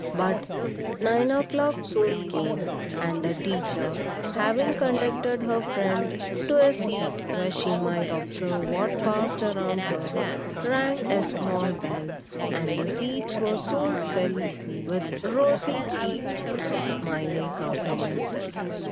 But nine o'clock soon came; and the teacher, having conducted her friend to a seat where she might observe what passed around her, rang a small bell, and the seats were soon filled with rosy cheeks and smiling countenances.